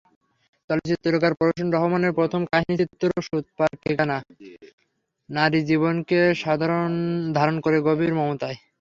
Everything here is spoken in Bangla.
চলচ্চিত্রকার প্রসূন রহমানের প্রথম কাহিনিচিত্র সুতপার ঠিকানা নারী জীবনকে ধারণ করে গভীর মমতায়।